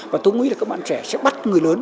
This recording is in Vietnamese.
và tôi nghĩ là các bạn trẻ sẽ bắt người lớn